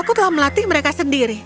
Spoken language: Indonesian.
aku telah melatih mereka sendiri